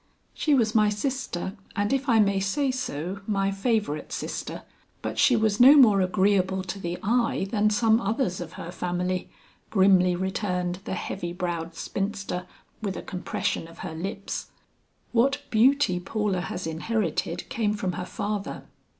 "She was my sister and if I may say so, my favorite sister, but she was no more agreeable to the eye than some others of her family," grimly returned the heavy browed spinster with a compression of her lips. "What beauty Paula has inherited came from her father.